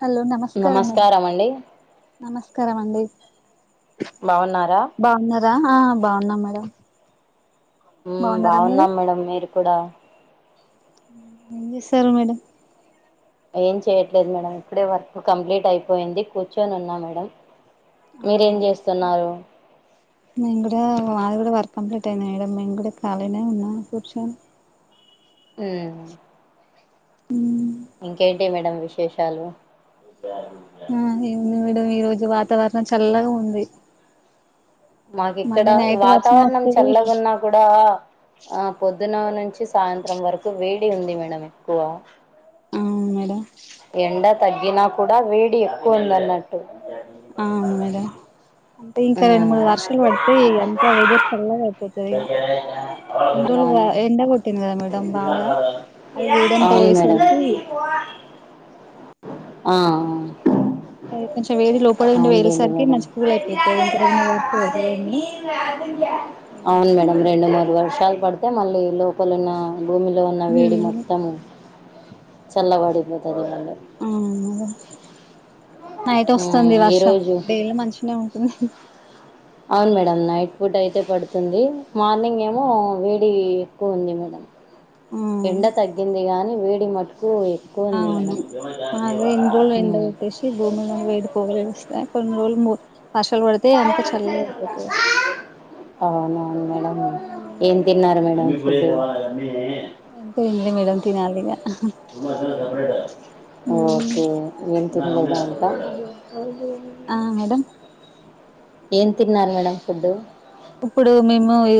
Hello నమస్కారం అండి నమస్కారం అండి బాగున్నారా బాగున్నారా ఆ బాగున్నా మేడం బాగున్నారా మీరు బాగున్నాం మేడం మీరు కూడా ఏం చేస్తారు మేడం ఏం చేయట్లేదు మేడం ఇప్పుడే వర్క్ కంప్లీట్ అయిపోయింది కూర్చొని ఉన్నా మేడం అవును మీరేం మేడం చేస్తున్నారు మేము కూడా మాది కూడా వర్క్ కంప్లీట్ అయింది మేడం మేము కూడా ఖాళీనే ఉన్నా కూర్చొని ఉ ఇంకేంటి మేడం విశేషాలు ఆ ఏముంది మేడం ఈ రోజు వాతావరణం చల్లగా ఉంది మాకి ఇక్కడ మళ్ళీ నైట్ వర్షం వాతావరణం వస్తది చల్లగా ఉన్నా ఇక్కడ ఆ పొద్దున నుంచి సాయంత్రం వరకు వేడి ఉంది మేడం ఎక్కువ అవును మేడం ఎండ తగ్గినా కూడా వేడి ఎక్కువ ఉంది అన్నట్టు ఆవును మేడం అంటే ఇంకా రెండు మూడు మ్మ్ వర్షాలు పడితే ఇగ అంత వెదర్ చల్లగా అయిపోతంది ఇగా ఇన్రోలు బా అవును ఎండ గొట్టింది గదా మేడం బాగా అది వేడంతా బోయేసరికి క్వా ఆ ఆ అ కొంచం వేడి లోపల ఉండి వేళ్సరికి మంచి కూల్ అయిపోతది ఇంకా రెండు మూడు వర్షాలు పడితే గదా మేడం [inaudible] అవును మేడం రెండు మూడు వర్షాలు పడితే మళ్ళీ లోపలున్న భూమిలో ఉన్న వేడి ఉమ్ మొత్తం చల్లబడిపోతది మేడం అవును మేడం నైట్ మ్మ్ వస్తుంది వర్షం ఈరోజు డేల మంచినే ఉంటుంది అవును మేడం నైట్ పూట అయితే పడుతుంది మార్నింగ్ ఏమో వేడి ఎక్కువ ఉంది మేడం ఆ ఎండ తగ్గింది గాని వేడి మట్టుకు అవును అదే ఇన్రోలు ఎండ మ్మ్ గొట్టేసింది భూమిలోని వేడి పోగలేల్లిస్తాయి కొన్ని రోజులు వర్షాలు పడితే అంత చల్లగా అయిపోతాయి అవునువును మేడం ఏం తిన్నారు మేడం ఫుడ్ ఇంకా తిన్లే మేడం తినాలిగ ఓకే ఏం తినలేదా ఇంకా ఆ మేడం ఏం తిన్నారు మేడం ఫుడ్డు ఇప్పుడు మేము ఇ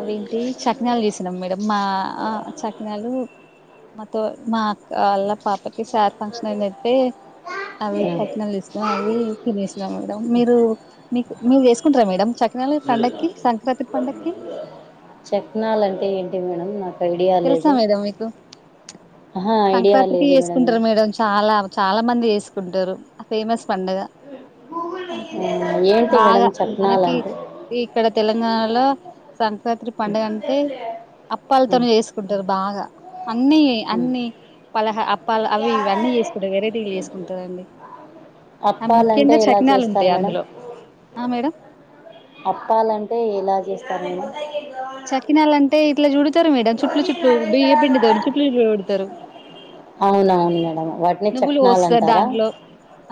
అవేంటి చక్ సకినాలు తీస్తున్నాం మేడం మా సకినాలు మాతో మా అక్క వాళ్ళ పాప పాప్పకి సారి ఫంక్షన్ అయింది అయితే అవి సకినాలు దీస్తున్నం అవి తినేసినం మేడం మీరు మీకు మీరు చేసుకుంటార మేడం సకి నాలు పండకి సంక్రాంతి పండకి చకినాల్ అంటే ఏంటివి మేడం నాకు ఐడియా తెలుసా లేదు మేడం మీకు ఆహా ఐడియా సంక్రాంతికి లేదు చేసుకుంటారు మేడం చాలా చాలా మంది చేసుకుంటారు ఆ ఫేమస్ పండగా ఆ, ఏంటి మేడం బాగా మనకి చక్నాలంటే ఇక్కడ తెలంగాణలో సంక్రాంతి పండగ అంటే ఉమ్, అప్పలతోను చేస్ కుంటరు బాగా అన్ని ఉమ్. అన్ని పలహ అప్పలు అవి ఇవి అన్ని చేసుకుంటరు వెరైటీలు చేసుకుంటారండి అ అప్పాలంటే ముఖ్యంగా ఎలా చకినాలు చేస్తారు ఉంటాయి మేడం అందులో ఆ మేడం అప్పాలంటే ఎలా జేస్తారు అండి సకినాలు అంటే ఇట్లా చూడతారు మేడం చుట్ల చుట్లు బియ్య పిండితోని చుట్లు చుట్లు చుడతారు అవును అవును మేడం వాటిని నువ్వులు చక్నాల్ పోస్తారు అంటారా దాంట్లో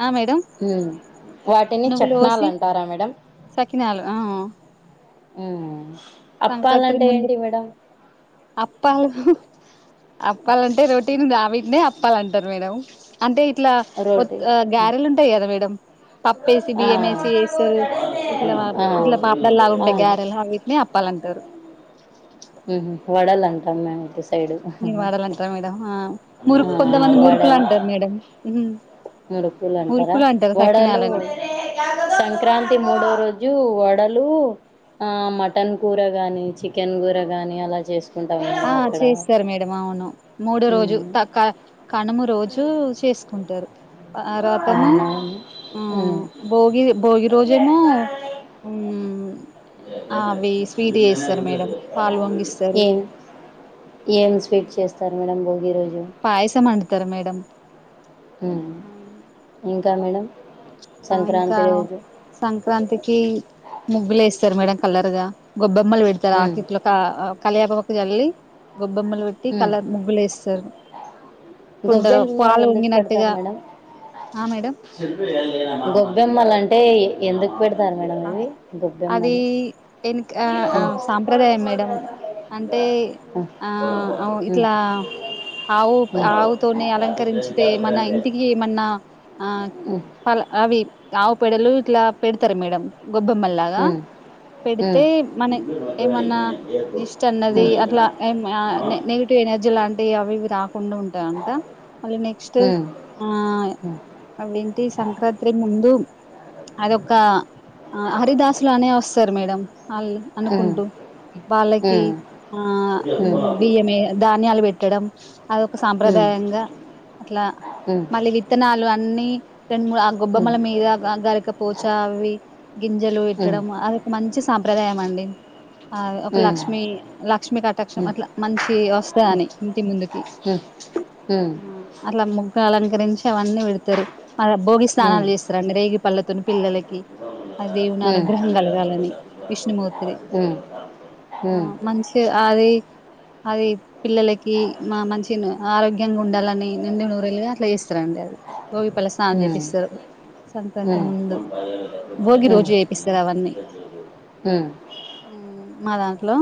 ఆ మేడం ఉమ్ వాటిని నువ్వులు చక్నాల్ పోసి అంటారా మేడం సకినాలు ఆ ఉమ్ సంక్రాంతి అప్పాలంటే ముందు ఏంటి మేడం అప్పాలు అప్పాలంటే రోటీన్ గా వీటినే అప్పాలంటారు మేడం అంటే ఇట్లా ఒ రోటీ గ్యారెలు ఉంటాయి గద మేడం పప్పేసి ఆ బియ్యం యేసి జేస్తరు ఇట్లా ఆ ఇట్లా పాపడలాగాంటాయి అవును గారెలా వీటిని అప్పాలంటారు ఉమ్ హు వడల్ అంటాం మేము ఇటు సైడ్ మీరు వడల్ అంటారా మేడం మురు ఆ కొంతమంది మురుకులు వడలు అంటారు మేడం మురుకులు అంటారా మురుకులు అంటారు వడలు సకినాలని సంక్రాంతి మూడవ రోజు వడలు ఆ మటన్ కూర గాని చికెన్ కూర గాని అలా చేసు ఆ చేస్తారు మేడం అవును మూడో రోజు ఉమ్ తాక కనుము రోజూ చేసుకుంటారు. ఆ రాతము అవునా హ ఉమ్ భోగి భోగి రోజు ఏమో మ్ ఆ అవి స్వీట్ చేస్తారు మేడం పాలు పొగి ఇస్తారు ఏం ఏం స్వీట్ చేస్తారు. మేడం భోగి రోజు పాయసం అండుతారు మేడం మ్ ఇంకా మేడం ఆ ఇంకా సంక్రాంతి రోజు సంక్రాంతికి ముగ్గులు వేస్తారు. మేడం కలర్ గా గొబ్బెమ్మలు పెడతారు ఉమ్ ఆకిట్లో ఇక కలియామాక్క జల్లి గొబ్బెమ్మలు పెట్టి కళ ఉమ్ ముగ్గులు వేస్తారు కుండలు గొబ్బెలు మళ్ళీ పాలు ఎందుకు పొగినటుగా ఆ మేడం గొబ్బెమ్మల అంటే ఎందుకు పెడత సార్ మేడం ఇవి అది గొబ్బేమ్మలు ఎనక సాంప్రదాయం మేడం అంటే హ ఆవు ఇట్లా అవుప్ ఆవుతోనే అలంకరించితే మన ఇంటికి ఏమన్నా ఆ పలా అవి ఆవు పేడలు ఇట్లా పెడతారు. మేడం గొబ్బెమ్మల్లాగా పెడితే మన ఏమన్నా జిస్ట్ అన్నది అట్లా ఏమ్ హ ఉమ్, నెగిటి ఏలర్జీ లాంటివి అవి రాకుండా ఉంటాయింట మళ్ళీ నెక్స్ట్ ఆ అవిఅంటి సంక్రాంతి ముందు అది ఒక హ హరిదసులు అనే వస్తారు. మేడం ఆళ్ళు అనుకుంటూ ఉమ్, ఉమ్, ఉమ్, వల్లకి ఆ ఉమ్, ఉమ్, ఉమ్, ఉమ్, ఉమ్, ఉమ్, ఉమ్, ఉమ్, మ్ బియ్యమే ధాన్యాలు పెట్టడం అది ఒక ఉమ్, సాంప్రదాయంగా అట్లా మళ్ళీ వి విత్తనాలు అన్ని రెండు మూడు ఆ గొబ్బమ్మల మీద గరికపోచ అవి గంజలు పెట్టడం ఏదో ఒక మంచి సాంప్రదాయం అండి ఆ ఒక లక్ష్మిీ లక్ష్మీ కటాక్షం అట్లా మంచి వస్తాది అని ఇంటి ముందుకి హ్ ఉమ్ అట్లా ముగ్గు అలంకరించి అవన్నీ పెడతారు భోగి సన్నాళ్ళు ఉమ్, చేస్తారాండి రేగి పండ్ల తోని పిల్లలకి అ దేవు నీ ఉమ్, అనుగ్రహం కలగాలని విష్ణుమూర్తి ఉమ్, ఉమ్, ఆ మంచి అది అది పిల్లలకి మా మంచి ఆరోగ్యంగా ఉండాలని నిండు నూరేలుగా అట్లా చేస్తార్ అండి. అది బోగిపల్ల స్నానం ఉమ్, ఉమ్, ఉమ్, చేపిస్తారు సంక్రాంతి ఉమ్, ముందు భోగి ఉమ్, రోజు ఉమ్, చేపిస్తారు అవన్నీ మ్ మా దాంట్లో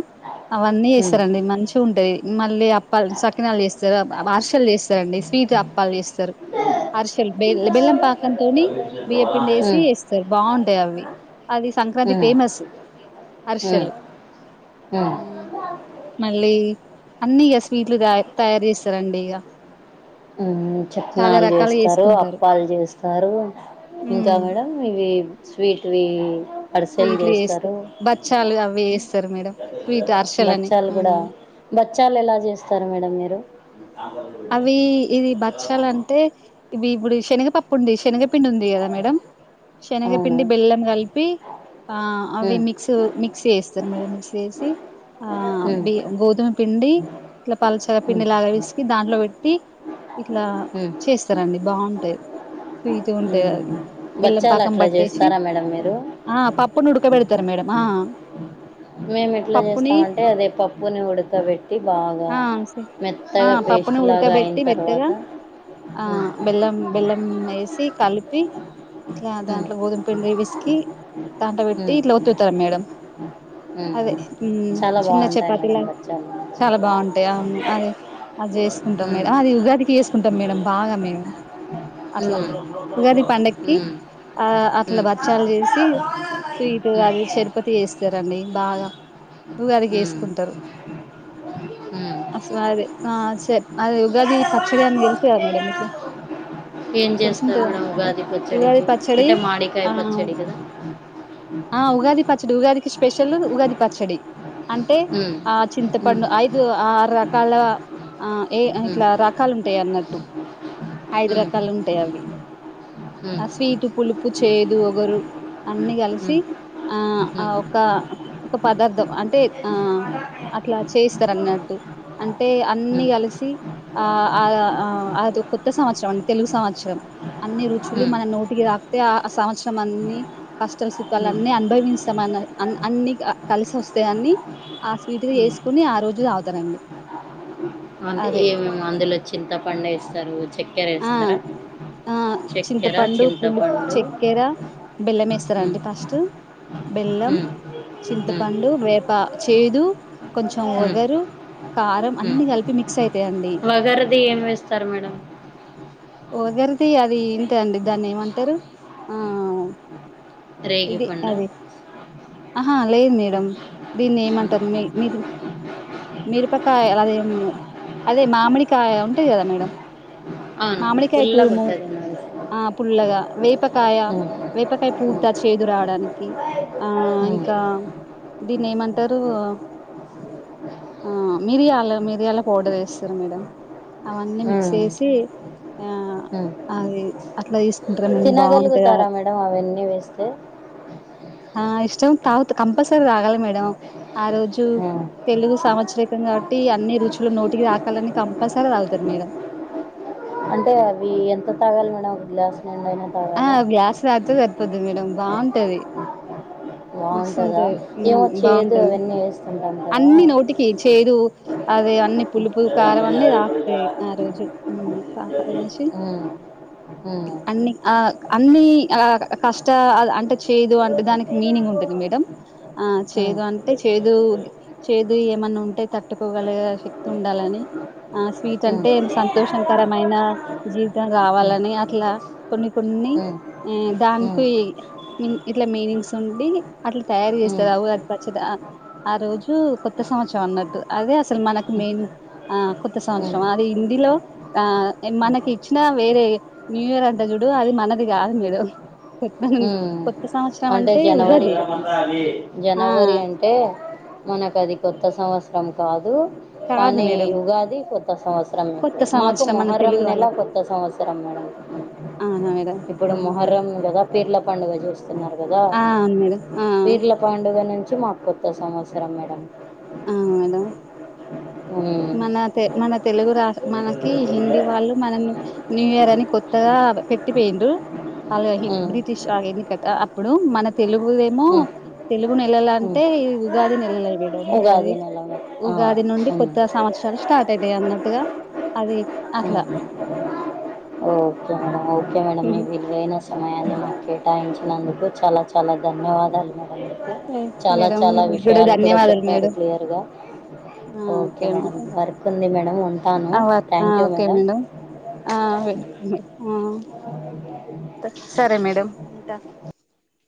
అవాణి చేస్తారండి మంచి అంటాయి. మళ్ళీ అప్పాలు సకినాలు చేస్తారు. అర్షలు చేస్తారండి. స్వీట్ అప్పాలు చేస్తారు. హార్సల్ బే బెల్లం పాకంతోని ఉమ్, బియ్య ఉమ్, పిండి వేసి ఉమ్, వేస్తారు బాగుంటాయి. అవి అది సంక్రాంతి ఫేమస్ హార్సల్ హ్ మళ్ళీ అన్ని ఇగ స్వీట్లు త తయారు చేస్తారండి. ఇగ మ్ చాలా సకినల్ రకాలు చేస్తారు. చేసుకుంటారు అప్పాలు చేస్తారు. ఇంకా ఉమ్ మేడం ఇవి స్వీట్ వి హార్సల్ స్వీట్లు చేస్తారు. బచ్చాలు అవి చేస్తారు మేడం స్వీట్ అరిసెలని బాచ్చాలు ఆ కూడా బాచ్చాలు ఎలా చేస్తారు. మేడం మీరు అవి ఇది బచల్ అంటే ఇవి ఇప్పుడు శనగపప్పు ఉంది శనగపిండి ఉంది కదా మేడం అవును. శనగపిండి బెల్లం కలిపి ఆ అవి హ్మ్. మిక్స్ మిక్ మిక్సీ చేస్తారు మేడం మిక్సీ చేసి ఆ హ్మ్. బి గోధుమ పిండి ఇట్లా పల్చగా పిండి హ్మ్. లాగా పిసికి దాంట్లో పెట్టి ఇట్లా ఉ చేస్తారండి బాగుంటాయి ఫీటో ఉంటాయి అది బెల్లం పాకం బచ్చాలట్లా పట్టేసి చేస్తారా మేడం మీరు ఆ పప్పు ను ఉడ్కబెడ్తారు మేడం ఆ మేమేట్లా పప్పుని చేస్తామంటే అదే పప్పును ఉడ్కబెట్టి బాగా ఆ సే ఆ మెత్తగా పప్పుని పేస్టు లాగా అయిన ఉడకబెట్టి మెత్తగా తర్వాత ఆ బెల్లం బెల్లమేసి కలిపి ఇట్లా హ్మ్. దాంట్లో గోధుమ పండి పిస్కి దాంట్ల పెట్టి హ్మ్. ఇట్లా ఓత్తుతారు మేడం హ్మ్. అదే చాలా చిన్న బావుంటాయి మేడం చపాతీలా బచ్చాలు. చాలా బాగుంటాయి అవ్ను అదే అద్చేసుకుంటాం హ్మ్. మేడం అది ఉగాద్కి చేసుకుంటాం మేడం బాగా మేము అట్ల హ్మ్. ఉగాది పండగక్కి హ్మ్. హ్మ్. ఆ అట్లా బచ్చాలు చేసి స్వీటు అది హ్మ్. చర్పతి చేస్తారండి బాగా ఉగాది చేస్కుంటారు హ్మ్. అ-అదే ఆ సే అదే ఉగాది పచ్చడి అని తెల్సు గదా మేడం మీకు హ్మ్. ఏం చేస్తారు తెలిసుంటది మేడం అనుకుంటా ఉగాది ఉగాది పచ్చడికి పచ్చడి అంటే మామిడ్కాయ ఆ పచ్చడి కదా ఆ ఉగాది పచ్చడి ఉగాదికి స్పెషలూ ఉగాది పచ్చడి అంటే మ్మ్. ఆ మ్మ్. చింతపండు ఐదు ఆరు రకాల ఆ ఏ మ్మ్. ఇట్లా రకాలుంటాయన్నట్టు మ్మ్. ఐద్రకాలు ఉంటాయి అవి మ్మ్. ఆ స్వీటు పులుపు చేదు ఒగరు అన్నీ మ్మ్. కల్సి మ్మ్. ఆ ఆ ఒక ఒక పదార్థం అంటే ఆ అట్లా చేస్తారన్నట్టు అంటే అన్ని మ్మ్. కల్సి ఆ-ఆ అదో కొత్త సంవత్సరండి తెలుగు సంవత్సరం అన్ని రుచులు మ్మ్. మన నోటికి తాక్తే ఆ సంవత్సరం అన్నీ మ్మ్. కష్టాసుఖాలన్నీ అనుభవస్తామని అన్ని కల్సోస్తాయని ఆ స్వీటుగ మ్మ్. చేస్కోని ఆ రోజు తాగుతరండి అంటే ఏమేమో అందులో చింతపండేస్తారు ఆ చక్కెరేస్తారా ఆ చక్కెర చింతపండు ఎరా మ్మ్. బెల్లమేస్తారండి ఫస్టు బెల్లం మ్మ్. మ్మ్. చింతపండు వేప చేదు కొంచెం మ్మ్. వగరు కారం మ్మ్. అన్ని కల్పి మిక్సైతాయండి వగరది ఏం వేస్తారు మేడం ఓగర్ది అది అంతే అండి దాన్నేమంటారు ఆ రేగి ఇది పండా అది ఆహా లేదు మేడం దీన్ని ఏమంటారు మీ మీరు మిర్పకాయ అదేమో అదే మామిడికాయ ఉంటది కదా మేడం అవును మామిడికాయ పుల్లగా తూరుము ఉంటుంది నాకు ఆ పుల్లగా వేపకాయ మ్మ్. వేపకాయ పూత చేదు రావడానికి ఉ దీన్నేమంటారు ఆ మిర్యాలు మిర్యాల పౌడర్ ఏస్తారు మేడం అవన్నీ మిక్స్ చేసి ఆ ఉ అది అట్లా తీసుకుంటారా మేడం బాగుంటది తినగల్గుతారా మేడం మేడం అవన్నీ వేస్తే ఆ ఇష్టం తాగుత కంపల్సరీ తగాలి మేడం ఆ రోజు తెలుగు సంవత్సర కం కాబట్టి అన్ని రుచులు నోట్కి తాకాలని కంపల్సరీ తావుతారు మేడం అంటే అవి ఎంత తాగాలి మేడం ఒక గ్లాస్ నిండైనా ఆ గ్లాస్ తాత్తే సరిపోద్ది మేడం బావుంటది మస్తు బాగుంటదా ఉంటది ఏమో మ్ చేదు బావుంటది అవన్నీ వేస్తుంటాం కదా అన్ని నోటికి చేదు అదే అన్ని పులుపు కారం అన్ని తాక్తాయి ఆ రోజు తకదనేసి ఉమ్ అన్ని ఆ అన్నీ ఆ కష్ట అంటే చేదు అంటే దానికి మీనింగ్ ఉంట తనిమేడం ఆ చేదు అంటే చేదూ చేదు ఏమన్నా ఉంటే తట్టుకోగల శక్తి ఉండాలని ఉమ్ ఉమ్ ఉమ్ వీటంటే సంతోషకరమైన జీవితం ఉమ్ గావాలని ఉమ్ అట్లా కొన్ని కొన్ని ఈ ఉమ్ దానికి ఇట్లా మీనింగ్స్ ఉండి అట్లా తయారు జేస్తరు ఉమ్ అవు అది పచ్చడ ఆ రోజు కొత్త సంవత్సరం అన్నట్టు అదే అసలు మనకు మెయిన్ ఆ కొత్త ఉమ్ ఉమ్ సంవత్సరం అది హిందీలో ఆ ఉమ్. మనకి ఇచ్చిన వేరే న్యూ ఇయర్ అంత చూడు అది మనది గాదు మీరు కొత్త కొత్త సంవత్సరం అంటే ఉగాది ఉగాది ఆ జనవరి అంటే మనకు అది కొత్త సంవత్సరం కాదు కాదు కానీ మేడం ఉగాది కొత్త సంవత్సరం కొత్త మాకు సంవత్సరం మన మొహర్రం తెలుగు నెల వాళ్ళకి కొత్త సంవత్స రం అవునా మేడం ఇప్పుడు ఆ మొహర్రం గదా పీర్ల పండగ జూస్ స్తున్నారు గాదా ఆ, అవును మేడం ఆ పీర్ల పండుగ నుంచి మాకు కొత్త సంవత్సరం మేడం ఆ మేడమ్ ఉమ్ తే మన తెలుగు రా మనకి హిందీ వాళ్ళు మనల్ని న్యూ ఇయర్ అని కొత్తగా పెట్టిపోయిడ్రు అలోహిన్ ఉమ్, బ్రిటిష్ ఆ ఎన్నికట అప్పుడు మన తెలుగు ఏమో ఉమ్, తెలుగు నెలల ఉమ్. అంటే ఈ ఉగాది నెలల మేడం ఉగాది ఆ, ఉగాది నుండి ఉమ్, కొత్ సంవత్సరాలు స్టార్ట్ అయితయి అన్నట్టుగా అది అట్లా ఓకే మేడం ఓకే మేడం మీ విలువైన స సమయాన్ని మాకు కేటాయించినందుకు చాలా చాలా ధన్యవాదాలు మేడం థ్యాంక్స్ చాలా మేడం చాలా మీకు విషయాలు కూడా ధన్యవాదాలు చెప్పారు మేడం క్లియర్గా ఓకే మేడం వర్క్ ఉంది మేడం ఉంటాను ఆ థ్యాంక్ యూ ఓకే మేడం ఆ మే ఆ సరే మేడం ఉంటా